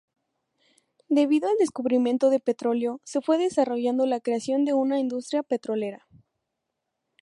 Debido al descubrimiento de petróleo, se fue desarrollando la creación de una industria petrolera.